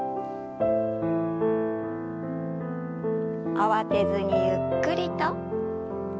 慌てずにゆっくりと。